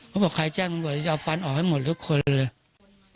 เขาบอกใครแจ้งตำรวจจะเอาฟันออกให้หมดทุกคนเลย